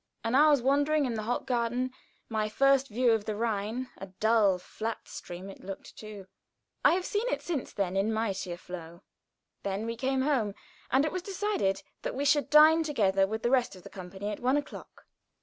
An hour's wandering in the Hofgarten my first view of the Rhine a dull, flat stream it looked, too. I have seen it since then in mightier flow. Then we came home, and it was decided that we should dine together with the rest of the company at one o'clock.